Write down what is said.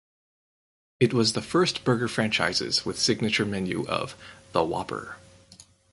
It was the first burger franchises with signature menu of The Whopper.